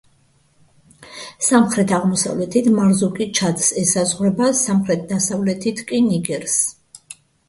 სამხრეთ-აღმოსავლეთით მარზუკი ჩადს ესაზღვრება, სამხრეთ-დასავლეთით კი ნიგერს.